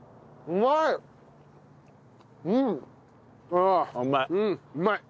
うまい。